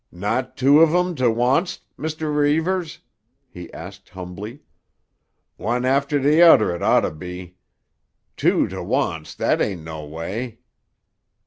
"Not two av um tuh wanst, Mr. Reivers?" he asked humbly. "One after deh udder it oughta be; two tuh wanst, that ain't no way."